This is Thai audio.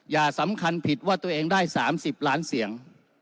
อย่าสำคัญผิดว่าตัวเองได้๓๐ล้านเสียง